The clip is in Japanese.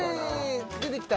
出てきた？